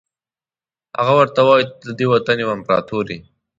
هغه ورته وایي ته ددې وطن یو امپراتور یې.